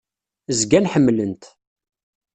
Zgan ḥemmlen-t.